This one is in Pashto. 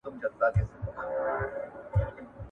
ایا په دښته کې به هم داسې د باروتو او لوګیو بوی موجود وي؟